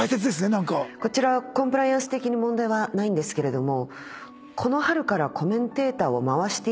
こちらコンプライアンス的に問題はないんですけれども。